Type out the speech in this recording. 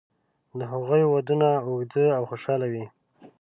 د هغوی ودونه اوږده او خوشاله وي.